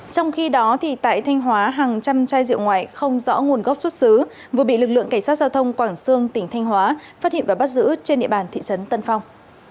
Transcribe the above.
trong khi đó tại thanh hóa hàng trăm chai rượu ngoại không rõ nguồn gốc xuất xứ vừa bị lực lượng cảnh sát giao thông quảng sương tỉnh thanh hóa phát hiện và bắt giữ trên địa bàn thị trấn tân phong